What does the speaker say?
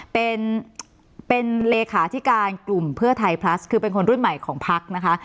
เป็นเป็นเลขาธิการกลุ่มเพื่อไทยพลัสคือเป็นคนรุ่นใหม่ของพักนะคะ